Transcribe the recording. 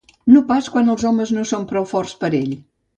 No pas quan els homes no són prou forts per a ell.